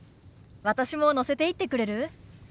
私も乗せていってくれる？